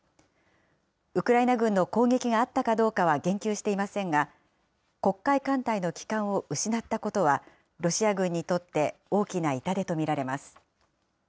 ウクライナ軍の攻撃があったかどうかは言及していませんが、黒海艦隊の旗艦を失ったことは、ロシア軍にとって大きな痛手と見られます。